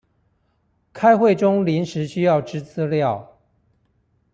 開會中臨時需要之資料